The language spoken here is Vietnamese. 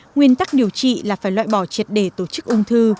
nguyên tắc điều trị là phải loại bỏ triệt để tổ chức ung thư